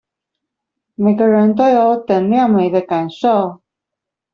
每個人都有等量美的感受